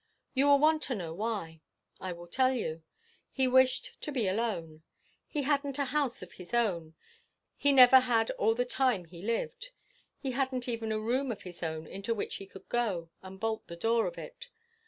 You will want to know why. I will tell you. He wished to be alone. He hadn't a house of his own. He never had all the time he lived. He hadn't even a room of his own into which he could go, and bolt the door of it.